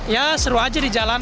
ya seru aja di jalan